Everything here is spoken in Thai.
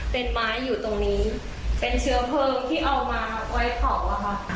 เป็นไม้อยู่ตรงนี้เป็นเชื้อเพลิงที่เอามาไว้เผาอะค่ะ